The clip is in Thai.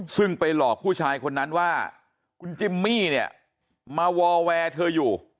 ซึ่งไปหลอกผู้ชายคนนั้นว่าคุณจิมมี่เนี่ยมาวอแวร์เธออยู่